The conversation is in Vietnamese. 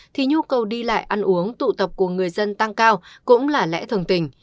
thì nhu cầu đi lại ăn uống tụ tập của người dân tăng cao cũng là lẽ thường tình